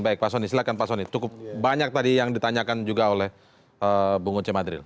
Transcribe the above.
baik pak sony silahkan pak sony cukup banyak tadi yang ditanyakan juga oleh bung uce madril